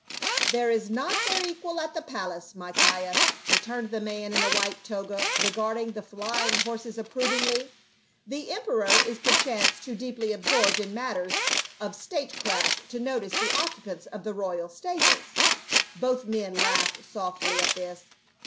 " There is not their equal at the palace, my Caius," returned the man in the white toga, regarding the fly ing horses approvingly. " The emperor is perchance too deeply absorbed in matters of statecraft to notice the occupants of the royal stables." Both men laughed softly at this.